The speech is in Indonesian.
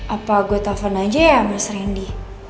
apa gue taufan aja ya mas rendy